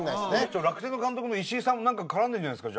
楽天の監督の石井さんも絡んでんじゃないっすか？